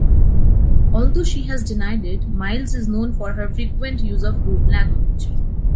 Although she has denied it, Miles is known for her frequent use of rude language.